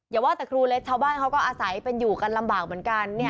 อย่าว่าแต่ครูเลยชาวบ้านเขาก็อาศัยเป็นอยู่กันลำบากเหมือนกัน